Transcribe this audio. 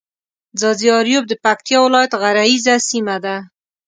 ځاځي اريوب د پکتيا ولايت غرييزه سيمه ده.